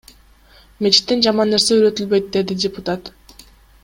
Мечитте жаман нерсе үйрөтүлбөйт, — деди депутат.